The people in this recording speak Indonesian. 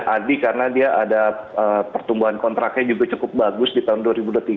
adi karena dia ada pertumbuhan kontraknya juga cukup bagus di tahun dua ribu dua puluh tiga